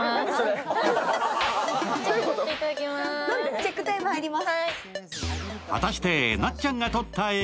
チェックタイム入ります。